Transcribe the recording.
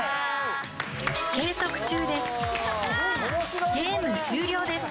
計測中です。